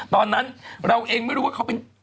ตอนนั้นเราเองไม่รู้ว่าเขาเป็น